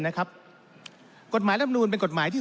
ท่านประธานก็เป็นสอสอมาหลายสมัย